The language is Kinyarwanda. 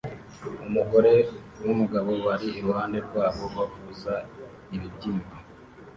Umugore numugabo bari iruhande rwabo bavuza ibibyimba